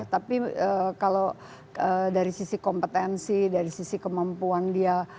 tapi kalau dari sisi kompetensi dari sisi kemampuan dia